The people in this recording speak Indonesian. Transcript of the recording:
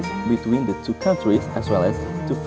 pembangunan ekonomi dan pembangunan ekonomi